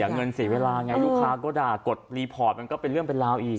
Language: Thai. เงินเสียเวลาไงลูกค้าก็ด่ากดรีพอร์ตมันก็เป็นเรื่องเป็นราวอีก